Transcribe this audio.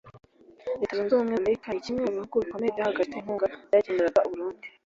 Leta Zunze Ubumwe za Amerika ni kimwe mu bihugu bikomeye byahagaritse inkunga byageneraga u Burundi